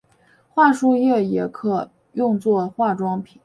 桦树液也可用做化妆品。